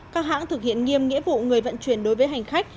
các hãng thực hiện nghiêm nghĩa vụ người vận chuyển đối với hành khách